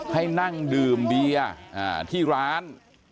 ให้นั่งดื่มเบียร์ที่ร้าน